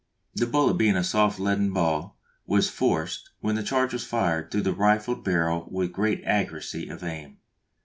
The bullet being a soft leaden ball, was forced, when the charge was fired, through the rifled barrel with great accuracy of aim.